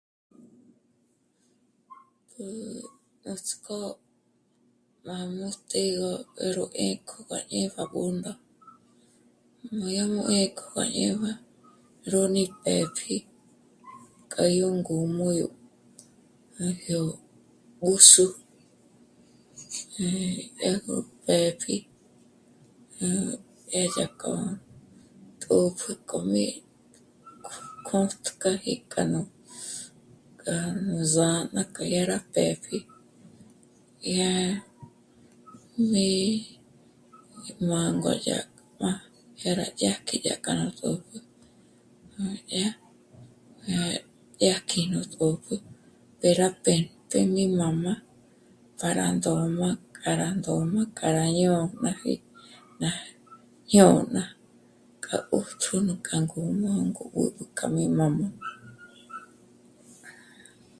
Núts'k'ó rá mújtje 'ó 'é ró 'énk'o gá ñé'e à Bṓndo, má yá mó'o 'é' k'o gá dyé má... ró mí pë́pji k'a yó ngǔm'ü... à jyó b'ús'u, eh... dyá gó pë́pji 'é yá k'o... tòpjü k'o mí'... kjo... yó kjō̂tjaji ngá nú... ngá nú zà'a ná k'a yá rá pë́pji... Yá... mí... mângo yá má... yá má dyàjk'i yá ró tòpjü, má yá... yá kji nú 'ö́pjü pe rá p'émp'e mí mā́'mā pja rá ndójma k'a rá ndójma k'a rá ñô'm'aji ná... jñôna kja 'öpjü ná k'a ngǔm'ü 'óngo b'ǚb'ü kja mí jmū̀m'u